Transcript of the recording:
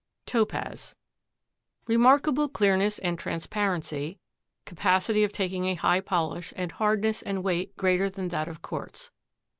TOPAZ. Remarkable clearness and transparency, capacity of taking a high polish and hardness and weight greater than that of quartz.